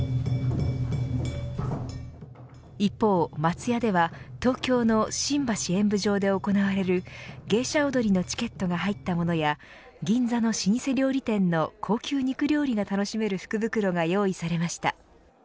一方、松屋では東京の新橋演舞場で行われる芸者踊りのチケットが入ったものや銀座の老舗料理店の高級肉料理が楽しめる福袋が用意されました。